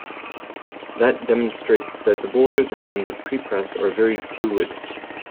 That demonstrates that the borders around the prepress are very fluid.